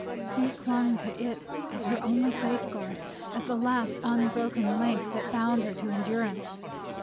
He clung to it as her only safeguard; as the last unbroken link that bound her to endurance.